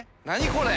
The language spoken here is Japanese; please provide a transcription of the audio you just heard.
これ。